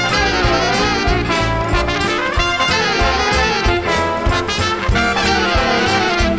สวัสดีครับ